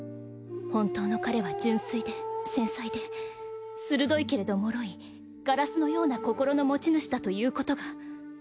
本当の彼は純粋で繊細で鋭いけれどもろいガラスのような心の持ち主だということが。